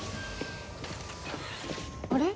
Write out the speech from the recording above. あれ？